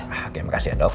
oke makasih ya dok